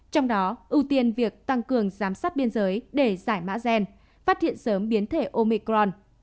trong đó ưu tiên việc tăng cường giám sát biên giới để giải mã gen phát hiện sớm biến thể omicron